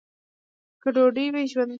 که ډوډۍ وي، ژوند شته.